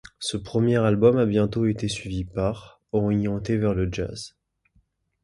Ce premier album a bientôt été suivi par ', orienté vers le jazz.